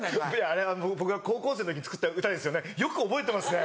あれは僕が高校生の時に作った歌ですよねよく覚えてますね。